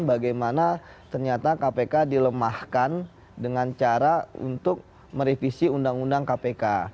bagaimana ternyata kpk dilemahkan dengan cara untuk merevisi undang undang kpk